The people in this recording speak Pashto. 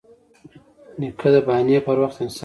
نیکه د بانې پر وخت انصاف کوي.